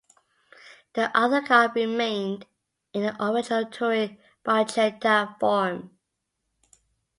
The other car remained in the original Touring barchetta form.